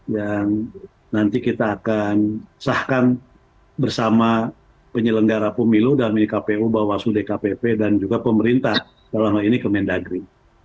yang nanti kita akan sahkan bersama penyelenggara pemilu dan pkpu bawaslu dkpp dan juga pemerintah selama ini ke mendagri